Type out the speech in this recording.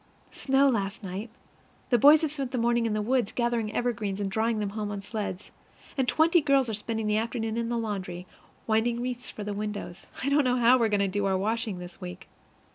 Snow last night. The boys have spent the morning in the woods, gathering evergreens and drawing them home on sleds; and twenty girls are spending the afternoon in the laundry, winding wreaths for the windows. I don't know how we are going to do our washing this week.